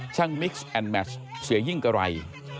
มิกซ์แอนดแมชเสียยิ่งกะไร